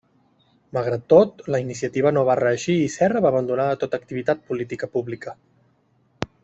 Malgrat tot, la iniciativa no va reeixir i Serra va abandonar tota activitat política pública.